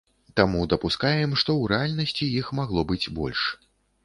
Таму дапускаем, што ў рэальнасці іх магло быць больш.